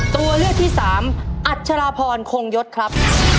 ตัวเลือกที่สามอัชราพรคงยศครับ